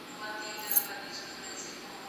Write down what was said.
هغه وويل چي ږغ لوړ دی!.